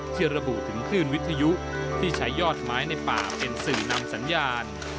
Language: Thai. ที่ระบุถึงคลื่นวิทยุที่ใช้ยอดไม้ในป่าเป็นสื่อนำสัญญาณ